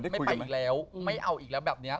ไม่ไปอีกแล้วไม่เอาอีกแล้วแบบนี้